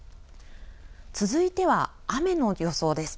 続いては雨の予想です。